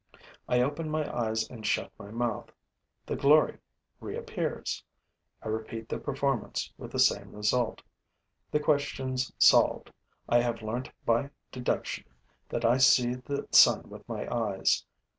I open my eyes and shut my mouth: the glory reappears. I repeat the performance, with the same result. The question's solved: I have learnt by deduction that I see the sun with my eyes.